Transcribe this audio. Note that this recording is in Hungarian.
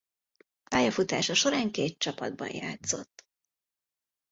Pályafutása során két csapatban játszott.